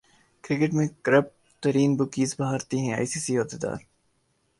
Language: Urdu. کرکٹ میں کرپٹ ترین بکیز بھارتی ہیں ائی سی سی عہدیدار